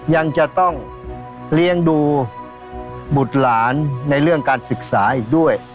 ยังจะต้องเลี้ยงดูบุตรหลานในเรื่องการศึกษาอีกด้วย